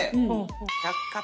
「百貨店」！